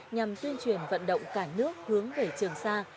nhằm tuyên truyền vận động cả nước hướng về trường sa